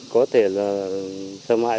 có thể là sơ mại